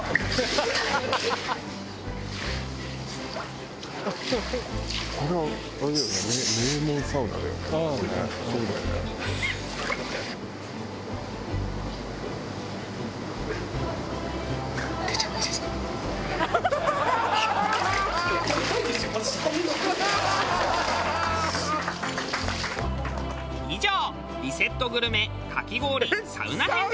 「ハハハハ！」以上リセットグルメかき氷サウナ編でした。